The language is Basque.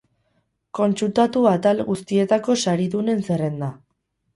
Kontsultatu atal guztietako saridunen zerrenda.